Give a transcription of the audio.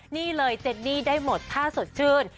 นี่เลยเจนนี่ได้หมดผ้าสดชื่น